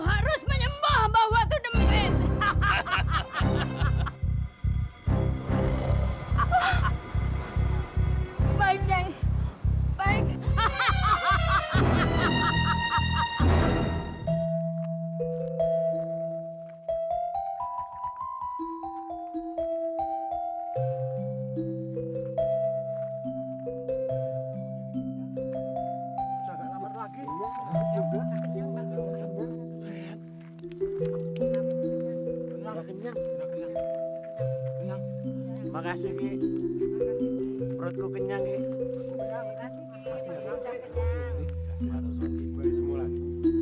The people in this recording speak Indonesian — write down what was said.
perutku benar benar kenyang